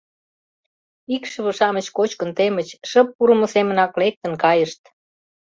Икшыве-шамыч кочкын темыч, шып пурымо семынак лектын кайышт.